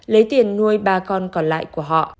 lấy tiền nuôi ba con còn lại của họ